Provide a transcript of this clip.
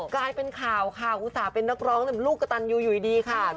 กลายเป็นข่าวค่ะอุตส่าห์เป็นนักร้องลูกกระตันยูอยู่ดีค่ะ